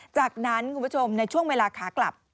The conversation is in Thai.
จากนั้นคุณผู้ชมในช่วงเวลาขากลับ